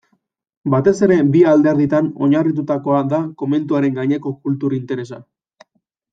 Batez ere bi alderditan oinarritutakoa da komentuaren gaineko kultur interesa.